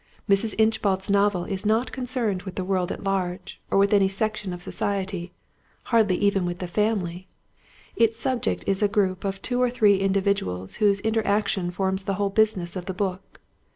Mrs. Inchbald's novel is not concerned with the world at large, or with any section of society, hardly even with the family; its subject is a group of two or three individuals whose interaction forms the whole business of the book.